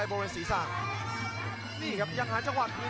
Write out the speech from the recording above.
ล๊อคนายตี้คืน